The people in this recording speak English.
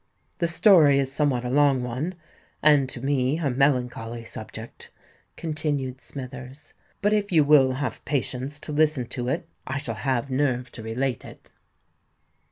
"The story is somewhat a long one—and to me a melancholy subject," continued Smithers; "but if you will have patience to listen to it, I shall have nerve to relate it."